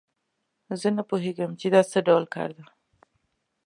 زه نه پوهیږم چې دا څه ډول کار ده